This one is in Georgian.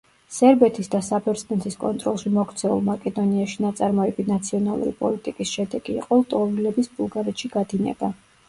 სერბეთის და საბერძნეთის კონტროლში მოქცეულ მაკედონიაში ნაწარმოები ნაციონალური პოლიტიკის შედეგი იყო ლტოლვილების ბულგარეთში გადინება.